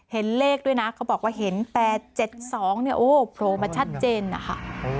เห็นเลขด้วยนะเขาบอกว่าเห็น๘๗๒โอ้โหโปร่มมาชัดเจนค่ะ